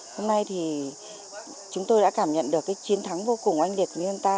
hôm nay thì chúng tôi đã cảm nhận được cái chiến thắng vô cùng oanh liệt của dân ta